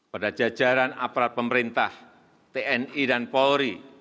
pada jajaran aparat pemerintah tni dan polri